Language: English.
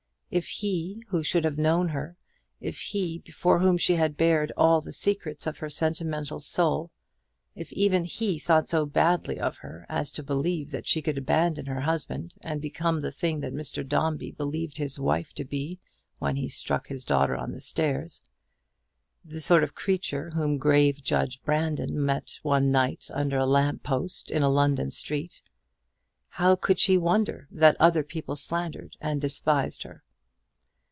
If he, who should have known her if he before whom she had bared all the secrets of her sentimental soul if even he thought so badly of her as to believe that she could abandon her husband and become the thing that Mr. Dombey believed his wife to be when he struck his daughter on the stairs the sort of creature whom grave Judge Brandon met one night under a lamp post in a London street how could she wonder that other people slandered and despised her?